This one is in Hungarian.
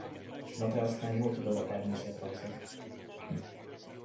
No te aztán jól tudod a természetrajzot!